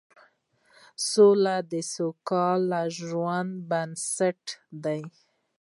سوله د سوکاله ژوند بنسټ دی